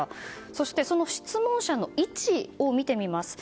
そして、その質問者の位置を見てみます。